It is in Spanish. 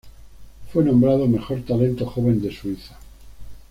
Fue nombrado mejor talento joven de Suiza.